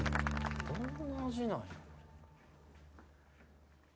どんな味なんや？